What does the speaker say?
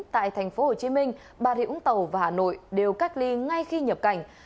tại tp hcm bà rịa úng tàu và hà nội đều cách ly ngay khi nhập cảnh